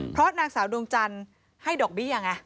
เพราะนางสาวดวงจันทร์ให้ดอกเบี้ยไง